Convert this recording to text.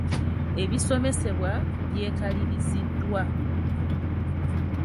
Ebisomesebwa byekaliriziddwa.